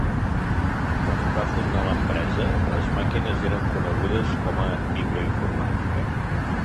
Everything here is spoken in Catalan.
Quan es va fundar l’empresa, les màquines eren conegudes com a microinformàtica.